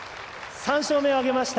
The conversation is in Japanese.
３勝目を挙げました。